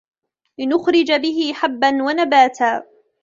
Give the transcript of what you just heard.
لنخرج به حبا ونباتا